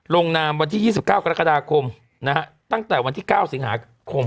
ลงนามวันที่๒๙กรกฎาคมตั้งแต่วันที่๙สิงหาคม